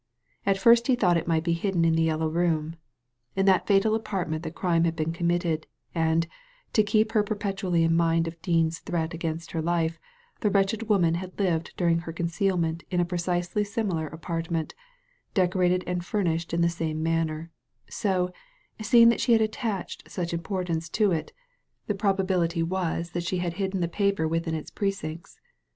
At first he thought it might be hidden in the Yellow Room. In that fatal apartment the crime had been committed, and, to keep her perpetually in mind of Dean's threat against her life, the wretched woman had lived during her concealment in a precisely similar apartment, decorated and furnished in the same manner; so, seeing that she had attached such importance to it, the probability was that she had hidden the paper t»3 Digitized by Google 224 THE LADY FROM NOWHERE within its precincts.